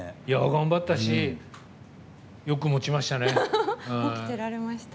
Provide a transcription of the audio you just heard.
頑張ったしよく、もちましたね。